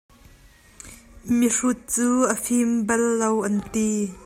Mihrut cu a fim bal lo an ti.